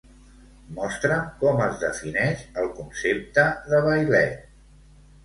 Mostra'm com es defineix el concepte de vailet.